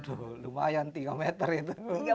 aduh lumayan tiga meter itu